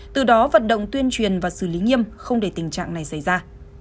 từ đó vận động tuyên truyền và xử lý nghiêm không để tình trạng này xảy ra